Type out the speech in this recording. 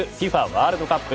ワールドカップ